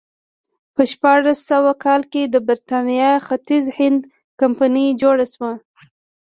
په شپاړس سوه کال کې د برېټانیا ختیځ هند کمپنۍ جوړه شوه.